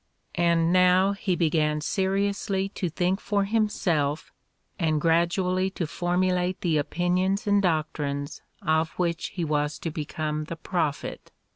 And now he began seriously to think for him self, and gradually to formulate the opinions and doctrines of which he was to become the prophet.